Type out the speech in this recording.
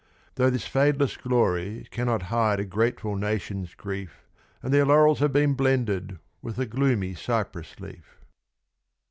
Though this fadeless glory cannot hide a grateful nation's grief, And their laurels have been blended with the gloomy cypress leaf.